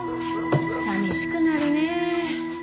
さみしくなるね。